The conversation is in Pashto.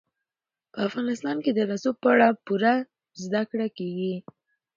په افغانستان کې د رسوب په اړه پوره زده کړه کېږي.